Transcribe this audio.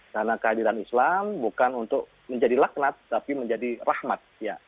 karena kehadiran islam bukan untuk menjadi laknat tapi menjadi rahmat